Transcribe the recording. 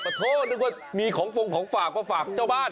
ประโทษทุกคนมีของฝงของฝากมาฝากเจ้าบ้าน